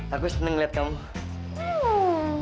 aku seneng ngeliat kamu